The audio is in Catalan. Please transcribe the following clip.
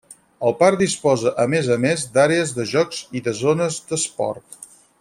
El parc disposa a més a més d'àrees de jocs i de zones d'esport.